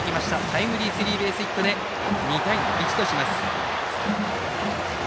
タイムリースリーベースヒットで２対１とします。